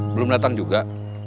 belum datang juga